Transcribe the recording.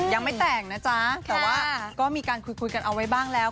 ยังไม่แต่งนะจ๊ะแต่ว่าก็มีการคุยกันเอาไว้บ้างแล้ว